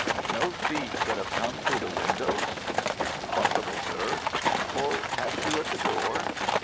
"No thief could have come through the windows?" "Impossible, sir." "Or passed you at the door?"